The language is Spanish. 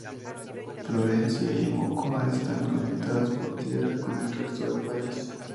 Florencia y Mocoa están conectadas por tierra con el resto del país.